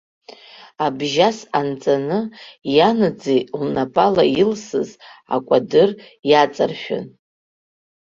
Абжьас анҵаны, ианаӡӡеи лнапала илсыз икәадыр иаҵаршәын.